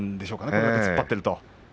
これだけ突っ張っていると。